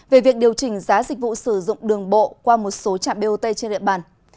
về việc điều chỉnh giá dịch vụ sử dụng đường bộ qua một số trạm bot trên địa bàn